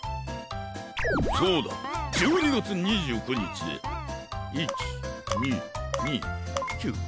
そうだ１２がつ２９にちで１２２９。